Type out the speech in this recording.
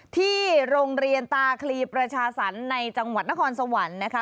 ที่โรงเรียนตาคลีประชาสรรค์ในจังหวัดนครสวรรค์นะคะ